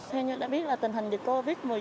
thế như đã biết là tình hình dịch covid một mươi chín